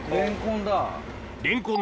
レンコン